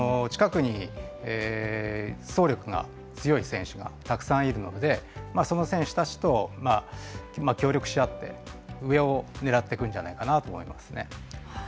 近くに、走力が強い選手がたくさんいるのでその選手たちと協力し合って上を狙ってくんじゃないかなと思います。